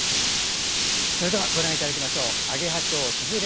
それではご覧いただきましょう「揚羽蝶繍姿」。